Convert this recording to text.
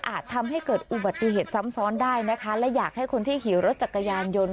ทำให้เกิดอุบัติเหตุซ้ำซ้อนได้นะคะและอยากให้คนที่ขี่รถจักรยานยนต์